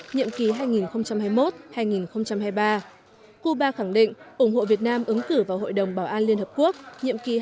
nhiệm kỳ hai nghìn hai mươi một hai nghìn hai mươi ba cuba khẳng định ủng hộ việt nam ứng cử vào hội đồng bảo an liên hợp quốc nhiệm kỳ hai nghìn hai mươi hai nghìn hai mươi một